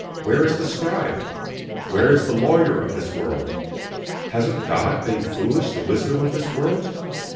Where is the scribe? Where is the lawyer of this world? Hasn't God made foolish the wisdom of this world?